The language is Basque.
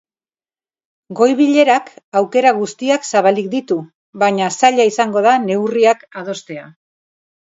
Goi-bilerak aukera guztiak zabalik ditu, baina zaila izango da neurriak adostea.